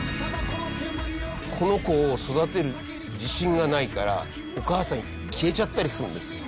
この子を育てる自信がないからお母さん消えちゃったりするんですよ。